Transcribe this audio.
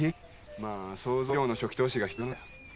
まぁ想像以上の初期投資が必要なんだよ。